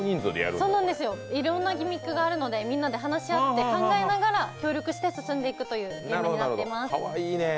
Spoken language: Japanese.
いろんなギミックがあるのでみんなで話し合って考えながら協力して進んでいくというゲームになっています。